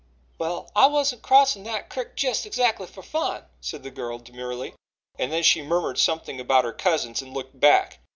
"Well, I wasn't crossin' that crick jes' exactly fer fun," said the girl demurely, and then she murmured something about her cousins and looked back.